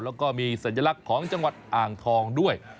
แล้วก็มีสัญลักษณ์ของจังหวัดอ่างทองด้วย